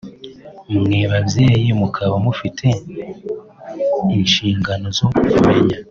mwe babyeyi mukaba mufite inshingano zo kumenya